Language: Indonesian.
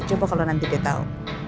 coba kalau nanti dia tahu